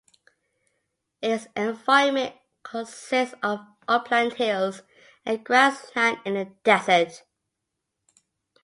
Its environment consists of upland hills and grassland in the desert.